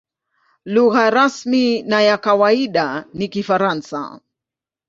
Lugha rasmi na ya kawaida ni Kifaransa.